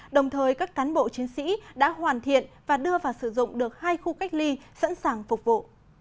đồng thời các cán bộ chiến sĩ đã hoàn thiện và đưa vào sử dụng được hai khu cách ly sẵn sàng phục vụ